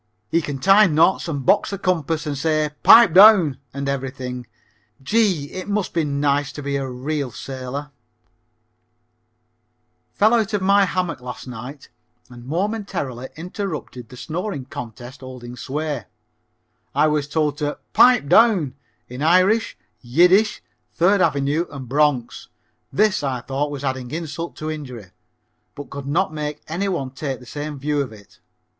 He can tie knots and box the compass and say "pipe down" and everything. Gee, it must be nice to be a real sailor! [Illustration: "THIS, I THOUGHT, WAS ADDING INSULT TO INJURY"] March 2d. Fell out of my hammock last night and momentarily interrupted the snoring contest holding sway. I was told to "pipe down" in Irish, Yiddish, Third Avenue and Bronx. This, I thought, was adding insult to injury, but could not make any one take the same view of it.